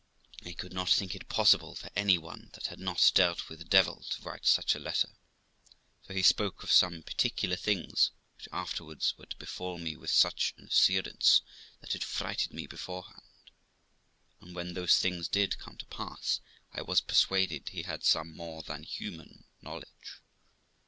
I could not think it possible for any one that had not dealt with the devil to write such a letter, for he spoke of some particular things which afterwards were to befall me with such an assur ance that it frighted me beforehand; and when those things did come to pass, I was persuaded he had some more than human knowledge.